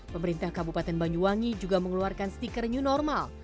pemerintah kabupaten banyuwangi juga mengeluarkan stiker new normal